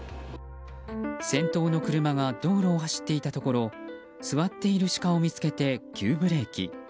先頭の車が道路を走っていたところ座っているシカを見つけて急ブレーキ。